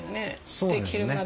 そうですね。